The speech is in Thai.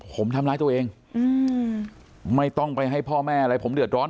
ผมทำร้ายตัวเองไม่ต้องไปให้พ่อแม่อะไรผมเดือดร้อน